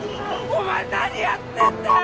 お前何やってんだよ！